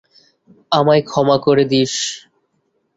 আমায় ক্ষমা করে দিস।